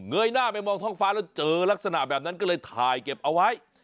ยหน้าไปมองท้องฟ้าแล้วเจอลักษณะแบบนั้นก็เลยถ่ายเก็บเอาไว้